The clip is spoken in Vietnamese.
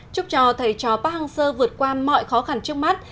chúc cho thầy chó park hang seo vượt qua mọi khó khăn trước mắt